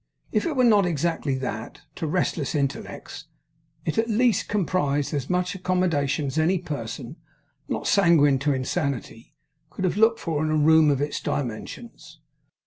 If it were not exactly that, to restless intellects, it at least comprised as much accommodation as any person, not sanguine to insanity, could have looked for in a room of its dimensions.